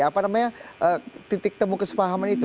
apa namanya titik temu kesepahaman itu